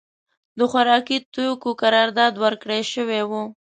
د خوارکي توکیو قرارداد ورکړای شوی و.